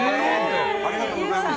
ありがとうございます。